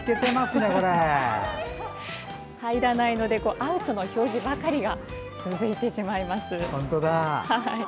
入らないのでアウトの表示ばかりが続きます。